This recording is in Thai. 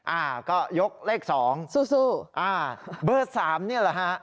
อ่าก็ยกเลขสองอ่าเบอร์สามนี่หรือฮะสู้